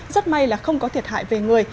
rất may là không có thiệt hại về người